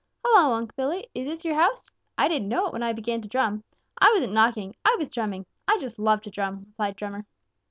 "Hello, Unc' Billy! Is this your house? I didn't know it when I began to drum. I wasn't knocking; I was drumming. I just love to drum," replied Drummer.